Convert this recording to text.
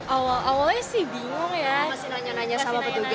awal awalnya sih bingung ya masih nanya nanya sama petugas